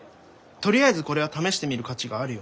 とりあえずこれは試してみる価値があるよ。